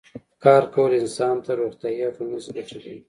کار کول انسان ته روغتیایی او ټولنیزې ګټې لري